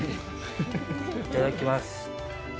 いただきます。